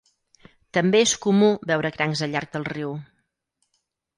També és comú veure crancs al llarg del riu.